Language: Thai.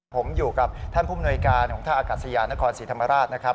ผมอยู่กับท่านผู้มนวยการของท่าอากาศยานนครศรีธรรมราชนะครับ